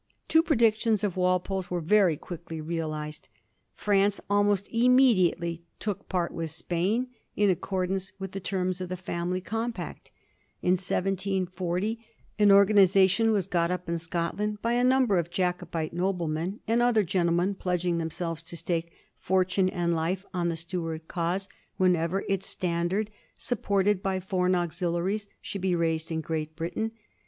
Two pre dictions of Walpole's were very quickly realized. France almost immediately took part with Spain, in accordance with the terms of the Family Compact. In 1740 an or ganization was got up in Scotland by a number of Jaco bite noblemen and other gentlemen, pledging themselves to stake fortune and life on the Stuart cause whenever its standard, suppoited by foreign auxiliaries, should be raised in Great Britain.